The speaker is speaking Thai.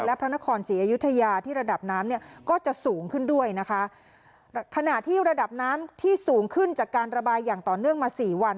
และพระนครศรีอยุธยาที่ระดับน้ำเนี่ยก็จะสูงขึ้นด้วยนะคะขณะที่ระดับน้ำที่สูงขึ้นจากการระบายอย่างต่อเนื่องมาสี่วัน